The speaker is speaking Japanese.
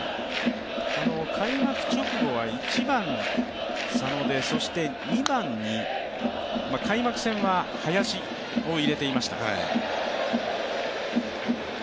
開幕直後は１番・佐野でそして２番に、開幕戦は林を入れていました。